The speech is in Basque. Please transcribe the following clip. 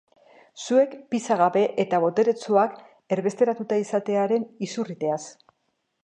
Zuek Pisa gabe eta boteretsuak erbesteratuta izatearen izurriteaz.